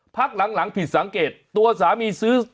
พักหลังผิดสังเกตตัวสามีซื้อ